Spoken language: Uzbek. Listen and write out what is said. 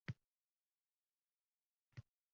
Guruch qo‘shib pishiriladigan mazali tovuq go‘shti